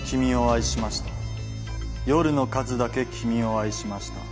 「夜の数だけ君を愛しました」